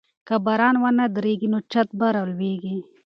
که باران ونه دريږي نو چت به راولوېږي.